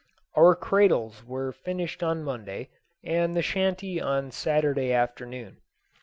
Our cradles were finished on Monday, and the shanty on Saturday afternoon.